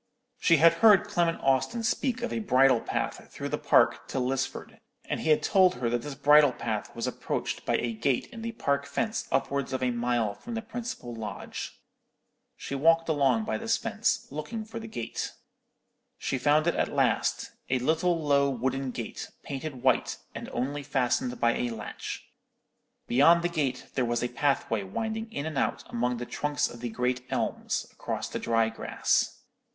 She had heard Clement Austin speak of a bridle path through the park to Lisford, and he had told her that this bridle path was approached by a gate in the park fence upwards of a mile from the principal lodge. She walked along by this fence, looking for the gate. She found it at last; a little low wooden gate, painted white, and only fastened by a latch. Beyond the gate there was a pathway winding in and out among the trunks of the great elms, across the dry grass.